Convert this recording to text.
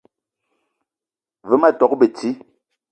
Ve ma tok beti